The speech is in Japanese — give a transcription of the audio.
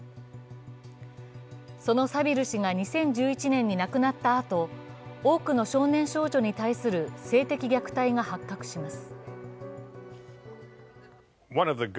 そのサヴィル氏が２０１１年に亡くなったあと、多くの少年少女に対する性的虐待が発覚します